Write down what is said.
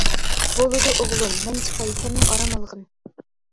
بولىدۇ ئوغلۇم، مەن چىقاي سەنمۇ ئارام ئالغىن!